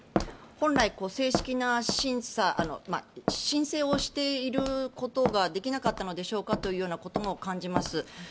本来、正式な審査申請をしていることができなかったのでしょうかというようなことも感じます。